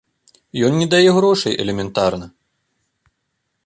Ён не дае грошай элементарна.